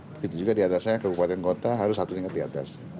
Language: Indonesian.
begitu juga di atasnya kabupaten kota harus satu tingkat di atas